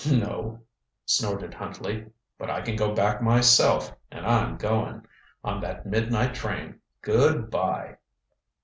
"No," snorted Huntley. "But I can go back myself, and I'm going on that midnight train. Good by."